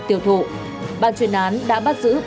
tiêu thụ bàn chuyển án đã bắt giữ